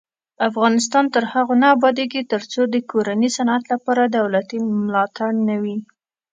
افغانستان تر هغو نه ابادیږي، ترڅو د کورني صنعت لپاره دولتي ملاتړ نه وي.